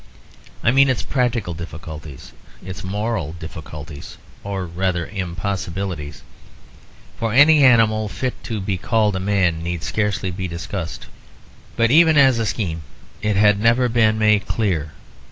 I mean its practical difficulties; its moral difficulties, or rather impossibilities, for any animal fit to be called a man need scarcely be discussed. But even as a scheme it had never been made clear.